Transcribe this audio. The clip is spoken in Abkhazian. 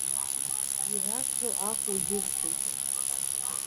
Ирарҳәо акәу џьыршьоит.